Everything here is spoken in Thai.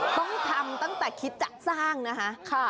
ต้องทำตั้งแต่คิดจะสร้างนะคะ